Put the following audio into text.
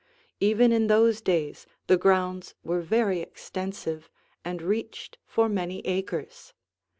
Even in those days the grounds were very extensive and reached for many acres.